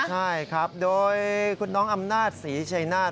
ใช่ครับโดยคุณน้องอำนาจศรีชัยนาธิ